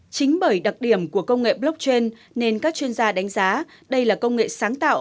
chính bởi đặc điểm của công nghệ blockchain nên các chuyên gia đánh giá đây là công nghệ sáng tạo